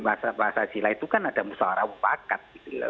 pancasila itu kan ada musuh orang pahat